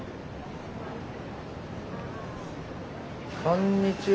こんにちは。